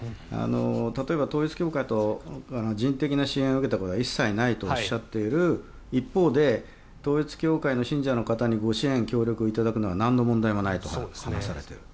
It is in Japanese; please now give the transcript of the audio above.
例えば、統一教会と人的な支援を受けたことは一切ないとおっしゃっている一方で統一教会の信者の方にご支援、協力をいただくことはなんの問題もないと話されている。